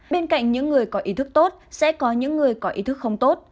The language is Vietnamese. bên cạnh những người có ý thức tốt sẽ có những người có ý thức không tốt